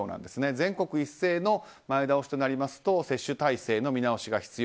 全国一斉の前倒しとなりますと接種体制の見直しが必要。